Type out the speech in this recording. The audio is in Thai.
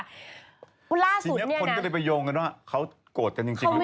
ทีนี้คนก็เลยไปโยงกันว่าเขาโกรธกันจริงหรือเปล่า